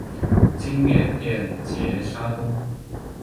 今缅甸杰沙东。